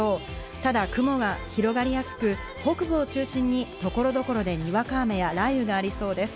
ただ雲は広がりやすく、北部を中心に所々でにわか雨や雷雨がありそうです。